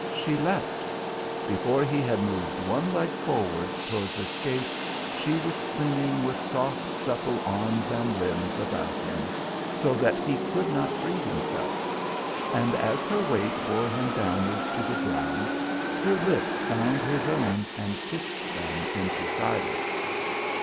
She leapt. Before he had moved one leg forward towards escape, she was clinging with soft, supple arms and limbs about him, so that he could not free himself, and as her weight bore him downwards to the ground, her lips found his own and kissed them into silence.